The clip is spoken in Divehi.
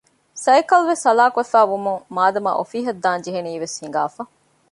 ސައިކަލްވެސް ހަލާކުވެފައި ވުމުން މާދަމާ އޮފީހަށް ދާން ޖެހެނީވެސް ހިނގާފަ